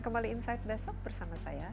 kembali insight besok bersama saya